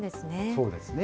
そうですね。